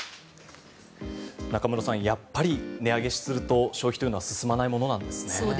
中室さん、やっぱり値上げすると消費というものは進まないものなんですね。